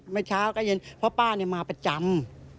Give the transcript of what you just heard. เมื่อเช้าก็เย็นเพราะป้ามาประจำ